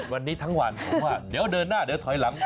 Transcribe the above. วันนี้ทั้งวันเพราะว่าเดี๋ยวเดินหน้าเดี๋ยวถอยหลังก่อน